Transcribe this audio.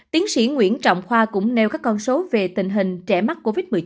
tiến sĩ nguyễn trọng khoa cũng nêu các con số về tình hình trẻ mắc covid một mươi chín